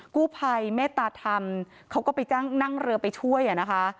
กู้ภัยเมตตาธรรมเขาก็ไปนั่งเรือไปช่วยอ่ะนะคะ